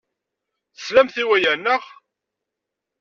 Teslamt i waya, naɣ?